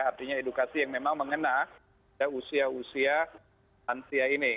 artinya edukasi yang memang mengena usia usia lansia ini